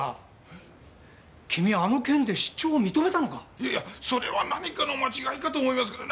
いやいやそれは何かの間違いかと思いますけど。